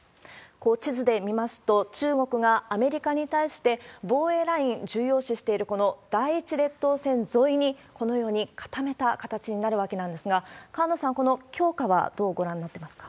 こう地図で見ますと、中国がアメリカに対して防衛ライン、この重要視している第１列島線沿いに、このように固めた形になるわけなんですが、河野さん、この強化はどうご覧になってますか？